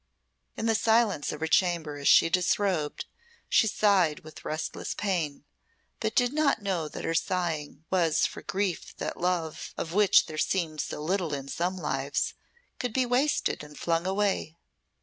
In the silence of her chamber as she disrobed, she sighed with restless pain, but did not know that her sighing was for grief that love of which there seemed so little in some lives could be wasted and flung away.